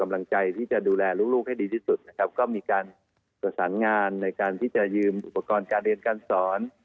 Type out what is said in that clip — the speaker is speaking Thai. กำลังใจที่จะดูแลลูกให้ดีที่สุดนะครับก็มีการประสานงานในการที่จะยืมอุปกรณ์การเรียนการสอน